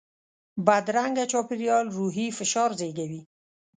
بدرنګه چاپېریال روحي فشار زیږوي